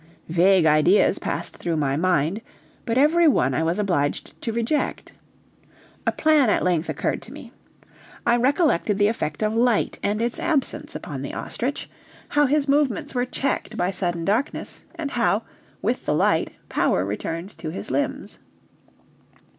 Vague ideas passed through my mind, but every one I was obliged to reject. A plan at length occurred to me. I recollected the effect of light and its absence upon the ostrich, how his movements were checked by sudden darkness, and how, with the light, power returned to his limbs.